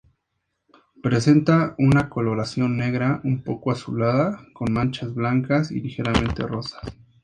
Presenta una coloración negra, un poco azulada, con manchas blancas y ligeramente rosas.